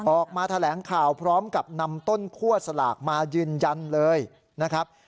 ออกมาแถลงข่าวพร้อมกับนำต้นคั่วสลากมายืนยันเลยนะครับ